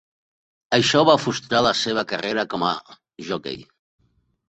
Això va frustrar la seva carrera com a jockey.